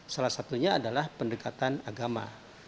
salah satunya adalah pendekatan agama